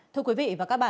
thưa quý vị